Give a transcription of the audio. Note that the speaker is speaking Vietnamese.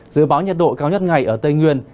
dự báo nhiệt độ cao nhất ngày ở tây nguyên